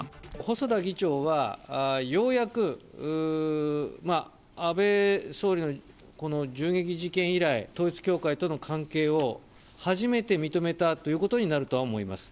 細田議長は、ようやく安倍総理のこの銃撃事件以来、統一教会との関係を初めて認めたということになるとは思います。